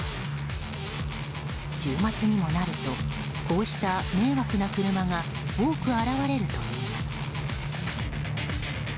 週末にもなるとこうした迷惑な車が多く現れるといいます。